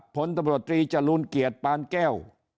ผลตบริจารุนเกียจปานแก้ว